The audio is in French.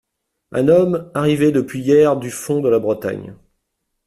Un homme arrivé depuis hier du fond de la Bretagne …